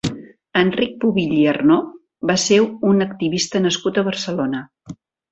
Enric Pubill i Arnó va ser un activista nascut a Barcelona.